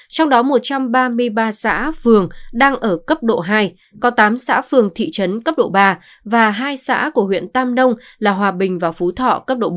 trong đó một trăm ba mươi ba xã phường đang ở cấp độ hai có tám xã phường thị trấn cấp độ ba và hai xã của huyện tam đông là hòa bình và phú thọ